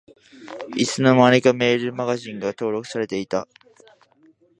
いつの間にかメールマガジンが登録されてた